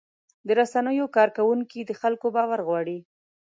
د رسنیو کارکوونکي د خلکو باور غواړي.